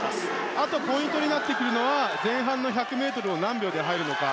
あとポイントになるのは前半の１００ｍを何秒で入るのか。